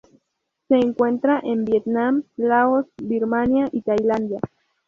Se encuentra en Vietnam Laos, Birmania y Tailandia.